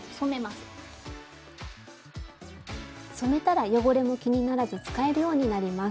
スタジオ染めたら汚れも気にならず使えるようになります。